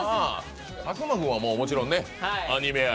佐久間君はもちろんね「アニメ愛」。